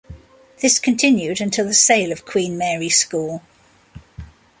This continued until the sale of Queen Mary School.